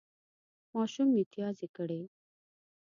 ماشوم متیازې کړې